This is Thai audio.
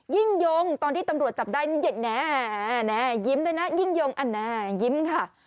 ยิ่งยงตอนที่ตำรวจจับได้เย็นแน่ยิ้มด้วยนะยิ่งยงอันแน่ยิ้มค่ะ